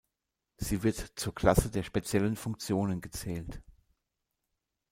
Sie wird zur Klasse der speziellen Funktionen gezählt.